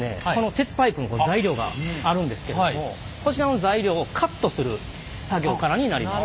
鉄パイプの材料があるんですけどもこちらの材料をカットする作業からになります。